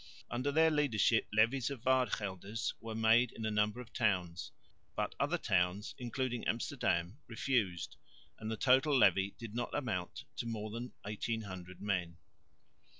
Under their leadership levies of Waardgelders were made in a number of towns; but other towns, including Amsterdam, refused, and the total levy did not amount to more than 1800 men.